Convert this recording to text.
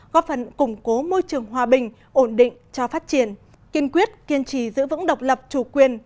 góp phần củng cố môi trường hòa bình ổn định cho phát triển kiên quyết kiên trì giữ vững độc lập chủ quyền